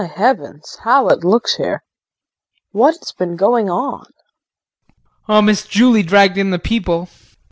] KRISTIN. My heavens, how it looks here. What's been going on? JEAN. Oh, Miss Julie dragged in the people.